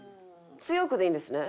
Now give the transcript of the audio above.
強くでいいんですね？